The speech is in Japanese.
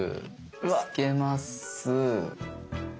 つけます。